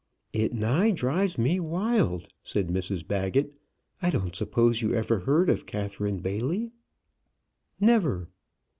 "It nigh drives me wild," said Mrs Baggett. "I don't suppose you ever heard of Catherine Bailey?" "Never."